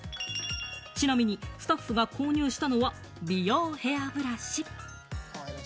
ちなみにスタッフが購入したのは美容ヘアブラシ。